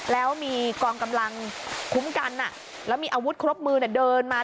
แล้วมีกองกำลังคุ้มกันแล้วมีอาวุธครบมือเดินมา